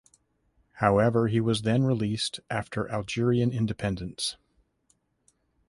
However he was then released after Algerian Independence.